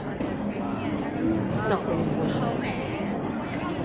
เวลาแรกพี่เห็นแวว